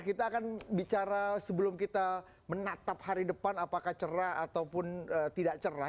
kita akan bicara sebelum kita menatap hari depan apakah cerah ataupun tidak cerah